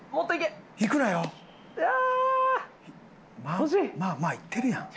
まあまあいってるやん。